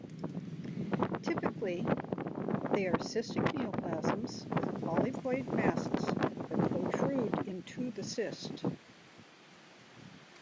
Typically, they are cystic neoplasms with polypoid masses that protrude into the cyst.